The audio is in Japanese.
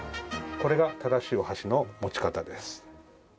これが正しいお箸の持ち方です。